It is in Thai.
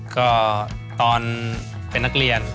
ก็ตอนเป็นนักเรียน